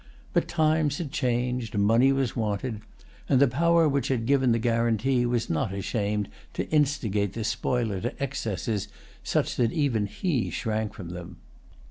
But times had changed; money was wanted; and the power which had given the guarantee was not ashamed to instigate the spoiler to excesses such that even he shrank from them.